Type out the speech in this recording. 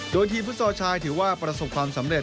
โดยทีมฟุตซอลชายถือว่าประสบความสำเร็จ